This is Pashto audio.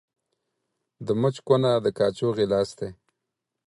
د مچ کونه ، د کاچوغي لاستى.